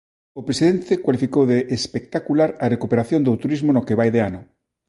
O presidente cualificou de "espectacular" a recuperación do turismo no que vai de ano.